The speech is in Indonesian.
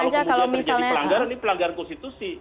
kalau kemudian terjadi pelanggaran ini pelanggaran konstitusi